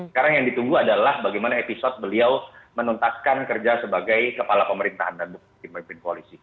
sekarang yang ditunggu adalah bagaimana episode beliau menuntaskan kerja sebagai kepala pemerintahan dan pemimpin koalisi